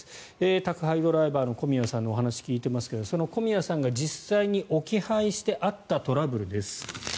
宅配ドライバーの小宮さんのお話を聞いていますがその小宮さんが実際に置き配してあったトラブルです。